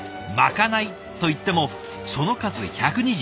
まかないと言ってもその数１２０。